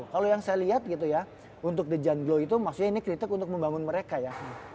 kalau yang saya lihat gitu ya untuk the john dan glo itu maksudnya ini kritik untuk membangun mereka ya